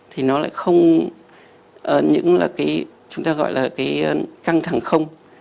thì nó lại không những là cái chúng ta gọi là cái căng thẳng không